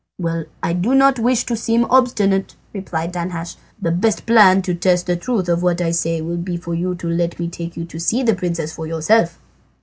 "Well, I don't wish to seem obstinate," replied Danhasch, "the best plan to test the truth of what I say will be for you to let me take you to see the princess for yourself."